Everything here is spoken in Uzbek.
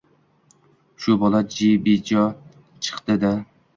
Shu bola ju bejo chiqdi-da